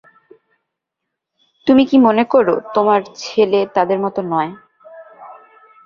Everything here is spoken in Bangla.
তুমি কি মনে করো তোমার ছেলে তাদের মতো নয়?